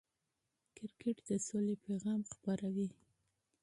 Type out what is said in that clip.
کرکټ د سولې پیغام خپروي.